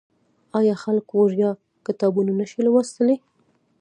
آیا خلک وړیا کتابونه نشي لوستلی؟